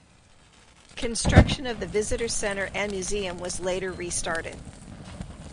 Construction of the visitor center and museum was later restarted.